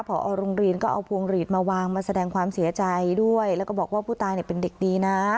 พอโรงเรียนก็เอาพวงหลีดมาวางมาแสดงความเสียใจด้วยแล้วก็บอกว่าผู้ตายเป็นเด็กดีนะ